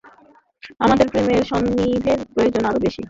আমাদের প্রেমের সান্নিধ্যের প্রয়োজন আরো বেশি!